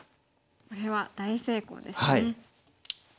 これは大成功ですね。